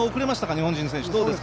日本選手。